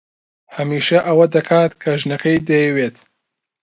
هەمیشە ئەوە دەکات کە ژنەکەی دەیەوێت.